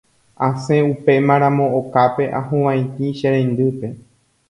Asẽ upémaramo okápe ahuvaitĩ che reindýpe.